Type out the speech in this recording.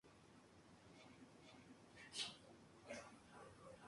Fue un talentoso pianista.